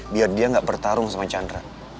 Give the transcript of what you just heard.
biar dia nggak bertarung sama chandra